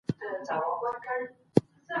همکاري ستونزې اسانه کوي.